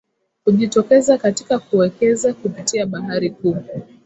kujitokeza katika kuwekeza kupitia bahari kuu